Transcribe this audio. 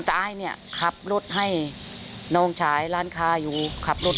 ฟ้าแกล้งบ้างเขาก็ไปบ้าน